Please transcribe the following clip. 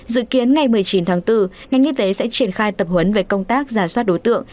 dự kiến ngày một mươi chín tháng bốn ngành y tế sẽ triển khai tập huấn về công tác giả soát đối tượng